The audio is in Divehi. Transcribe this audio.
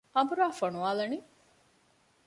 އަނބުރާ ފޮނުވާލަނީ؟